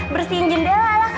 bersihin jendela lah